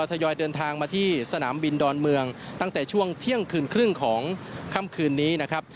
ทยอยเดินทางมาที่สนามบินดอนเมืองตั้งแต่ช่วงเที่ยงคืนครึ่งของค่ำคืนนี้นะครับ